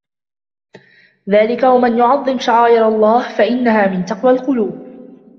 ذلك ومن يعظم شعائر الله فإنها من تقوى القلوب